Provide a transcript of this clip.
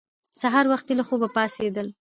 سهار وختي له خوبه پاڅېدل